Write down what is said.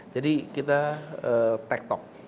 jadi kita tektok